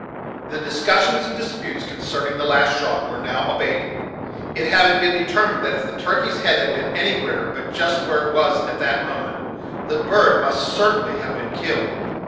The discussions and disputes concerning the last shot were now abating, it having been determined that if the turkey's head had been anywhere but just where it was at that moment, the bird must certainly have been killed.